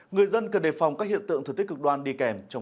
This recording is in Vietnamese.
người dân cần đề phòng các hiện tượng thực tích cực đoan đi kèm trong cơn rông